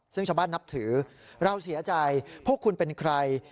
ซึ่งชาวบ้านนับถือเราเสียใจพวกคุณเป็นใคร